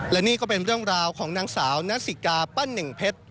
และนี่ก็เป็นเรื่องราวของนางสาวนัสสิกาปั้นเน่งเพชร